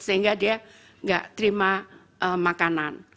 sehingga dia nggak terima makanan